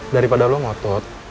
daripada lo ngotot